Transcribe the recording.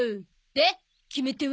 で決め手は？